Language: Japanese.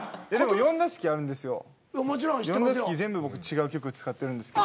４打席全部僕違う曲使ってるんですけど。